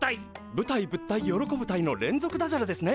舞台物体喜ぶタイの連続ダジャレですね。